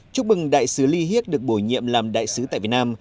chúc mừng đại sứ li hiếc được bổ nhiệm làm đại sứ tại việt nam